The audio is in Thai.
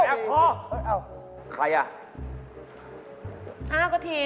เหนือยเหนื่อย